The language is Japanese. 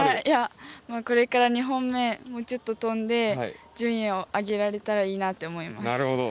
これから２本目、もうちょっと飛んで順位を上げられたらいいなと思います。